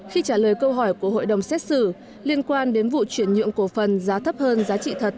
khi trả lời câu hỏi của hội đồng xét xử liên quan đến vụ chuyển nhượng cổ phần giá thấp hơn giá trị thật